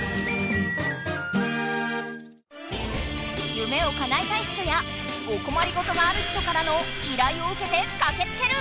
夢をかなえたい人やおこまりごとがある人からの依頼をうけてかけつける！